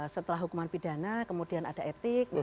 setelah hukuman pidana kemudian ada etik